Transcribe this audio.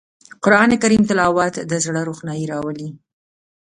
قرآن کریم تلاوت د زړه روښنايي راولي